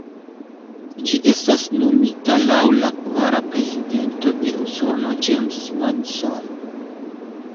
Ĝi estas nomita laŭ la kvara prezidento de Usono, James Madison.